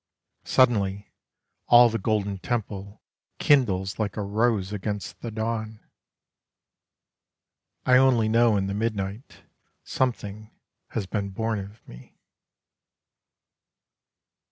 Suddenly, all the golden temple Kindles like a rose against the dawn. I only know in the midnight Something has been born of me.